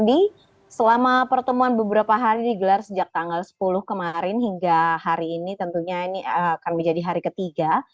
jadi selama pertemuan beberapa hari digelar sejak tanggal sepuluh kemarin hingga hari ini tentunya ini akan menjadi hari ketiga